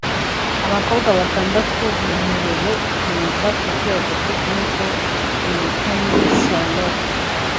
Abakobwa batandatu bemerewe gukomeza ku rwego rw’igihugu ni Umutoni Charlotte